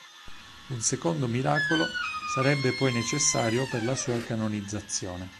Un secondo miracolo sarebbe poi necessario per la sua canonizzazione.